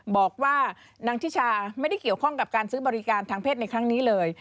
บอกว่านางทิชาไม่ได้เกี่ยวข้องกับการซื้อบริการทางเพศในครั้งนี้เลย